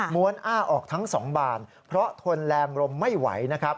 ้วนอ้าออกทั้ง๒บานเพราะทนแรงลมไม่ไหวนะครับ